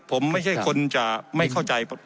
ผมไม่ใช่คนจะไม่เข้าใจ